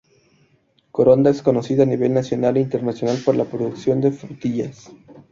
Coronda es conocida a nivel nacional e internacional por la producción de frutillas.